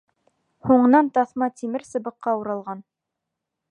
Һуңынан таҫма тимер сыбыҡҡа уралған.